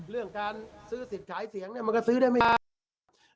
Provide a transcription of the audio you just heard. เรื่องการซื้อสิทธิ์ขายเสียงเนี่ยมันก็ซื้อได้ไม่ได้